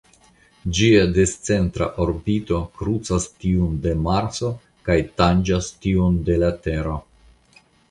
Ĝia discentra orbito krucas tiun de Marso kaj tanĝas tiun de la Tero.